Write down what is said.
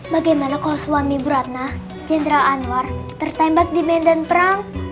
bagaimana kalau suami bu ratna jenderal anwar tertembak di medan perang